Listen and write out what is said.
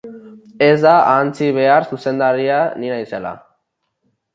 Ez da ahantzi behar zuzendaria ni naizela.